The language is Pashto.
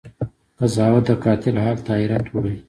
قضاوت د قاتل حال ته حيرت وړی